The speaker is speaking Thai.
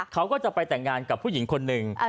เขาก็จะไปแต่งงานกับผู้หญิงคนหนึ่ง